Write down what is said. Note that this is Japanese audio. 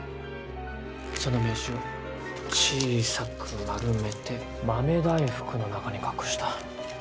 その名刺を小さく丸めて豆大福の中に隠した。